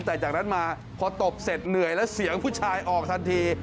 แต่จากนั้นมาพอตบเสร็จเหนื่อยแล้วเสียงผู้ชายออกทันที